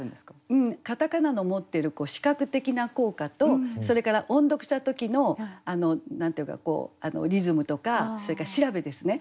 うん片仮名の持っている視覚的な効果とそれから音読した時の何て言うかこうリズムとかそれから調べですね